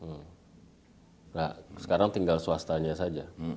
nah sekarang tinggal swastanya saja